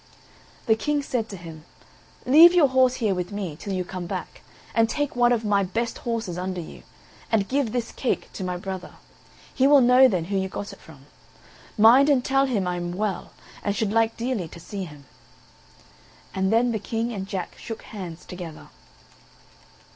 The King said to him: "Leave your horse here with me till you come back, and take one of my best horses under you, and give this cake to my brother; he will know then who you got it from. Mind and tell him I am well, and should like dearly to see him." And then the King and Jack shook hands together.